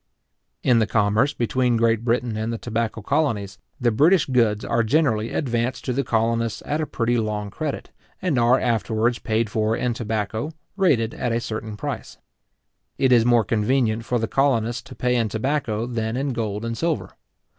In the commerce between Great Britain and the tobacco colonies, the British goods are generally advanced to the colonists at a pretty long credit, and are afterwards paid for in tobacco, rated at a certain price. It is more convenient for the colonists to pay in tobacco than in gold and silver.